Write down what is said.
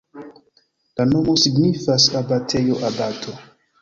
La nomo signifas: abatejo-abato.